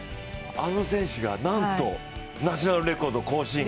あの選手がなんとナショナルレコードを更新。